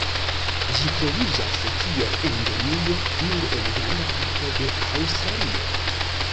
Ĝi troviĝas kiel Endemio nur en granda parto de Aŭstralio.